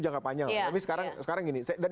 jangka panjang tapi sekarang gini dan